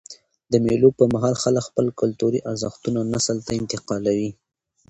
د مېلو پر مهال خلک خپل کلتوري ارزښتونه نسل ته انتقالوي.